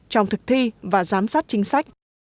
trong thực thi và giám sát chính sách